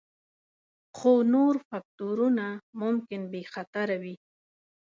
خو نور فکتورونه ممکن بې خطره وي